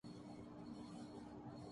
دونوں کے ساتھ امید وابستہ ہے